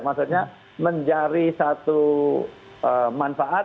maksudnya mencari satu manfaat